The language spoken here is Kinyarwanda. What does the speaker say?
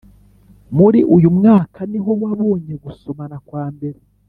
muri uyu mwaka niho wabonye gusomana kwambere.